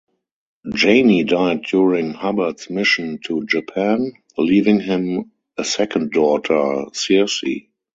Janie died during Hubbard's mission to Japan, leaving him a second daughter, Searcy.